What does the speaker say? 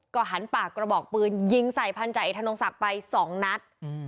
ก็หันปากกระบอกปืนยิงใส่พันธาเอกธนงศักดิ์ไป๒นัด